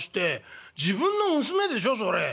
自分の娘でしょそれ。